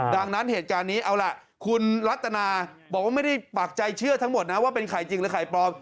ดังนั้นเหตุการณ์นี้เอาล่ะคุณรัตนาบอกว่าไม่ได้ปักใจเชื่อทั้งหมดนะว่าเป็นไข่จริงหรือไข่ปลอม